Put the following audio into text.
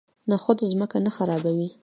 نخود ځمکه نه خرابوي.